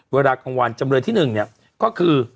เวลากลางวันจำเรือที่หนึ่งเนี่ยก็คือ